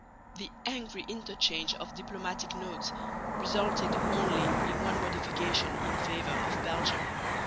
The angry interchange of diplomatic notes resulted only in one modification in favour of Belgium.